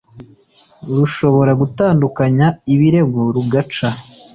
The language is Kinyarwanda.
rushobora gutandukanya ibirego rugaca